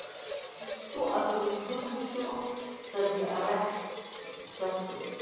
Сызҿу акыр здыргәышьо, саргьы арахь исыгәҭасуеит…